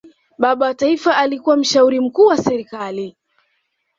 baba wa taifa alikuwa mshauri mkuu wa serikali